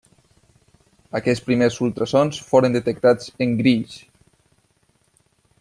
Aquests primers ultrasons foren detectats en grills.